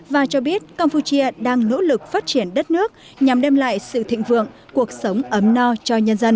và cho biết campuchia đang nỗ lực phát triển đất nước nhằm đem lại sự thịnh vượng cuộc sống ấm no cho nhân dân